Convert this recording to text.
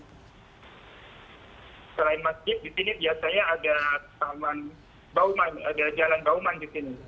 selain masjid di sini biasanya ada taman bauman ada jalan bauman di sini